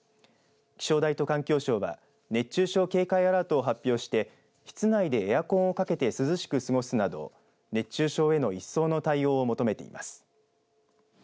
気象台と環境省は熱中症警戒アラートを発表して室内でエアコンをかけて涼しく過ごすなど熱中症への一層の対応を求めています。